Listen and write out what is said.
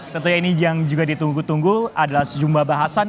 tentunya ini yang juga ditunggu tunggu adalah sejumlah bahasan